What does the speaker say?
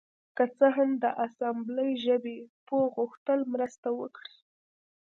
که څه هم د اسامبلۍ ژبې پوه غوښتل مرسته وکړي